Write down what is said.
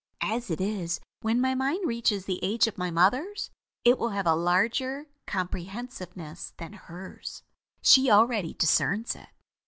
As it is, when my mind reaches the age of my mother's, it will have a larger comprehensiveness than hers. She already discerns it.